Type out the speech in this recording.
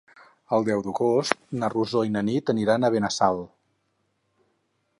El deu d'agost na Rosó i na Nit aniran a Benassal.